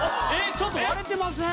ちょっと割れてません？